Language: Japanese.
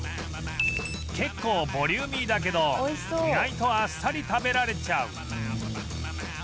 結構ボリューミーだけど意外とあっさり食べられちゃう